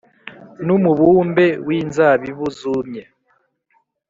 n’umubumbe w’inzabibu zumye.